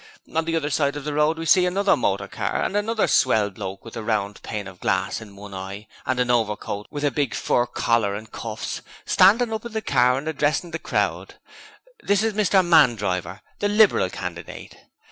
On the other side of the road we see another motor car and another swell bloke with a round pane of glass in one eye and a overcoat with a big fur collar and cuffs, standing up in the car and addressin' the crowd. This is Mr Mandriver, the Liberal candidate.